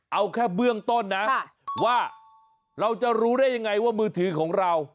เอาแค่เบื้องต้นนะว่าเราจะรู้ได้ยังไงว่ามือถือของเรา